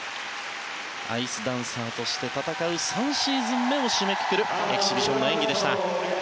アイスダンサーとして戦う３シーズン目を締めくくるエキシビションの演技でした。